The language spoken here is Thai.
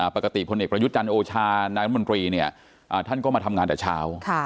พลเอกประยุทธ์จันทร์โอชานายรัฐมนตรีเนี่ยท่านก็มาทำงานแต่เช้า